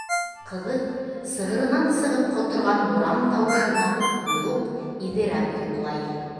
Ҡыҙы сығырынан сығып ҡоторған буран тауышына ойоп, иҙерәп йоҡлай.